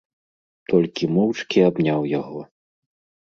Толькі моўчкі абняў яго.